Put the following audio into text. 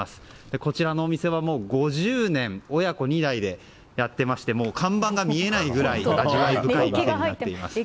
こちらのお店は、もう５０年親子２代でやっていまして看板が見えないぐらいになっています。